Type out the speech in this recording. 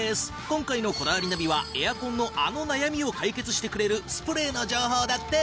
今回の『こだわりナビ』はエアコンのあの悩みを解決してくれるスプレーの情報だって！